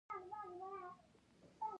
له ذرې دې پنځولي کاینات دي